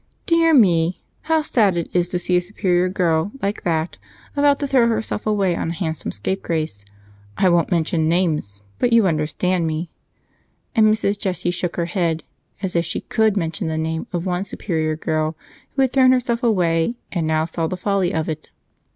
Dear me, how sad it is to see a superior girl like that about to throw herself away on a handsome scapegrace. I won't mention names, but you understand me." And Mrs. Jane shook her head, as if she could mention the name of one superior girl who had thrown herself away and now saw the folly of it.